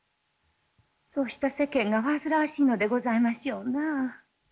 そうした世間が煩わしいのでございましょうなあ。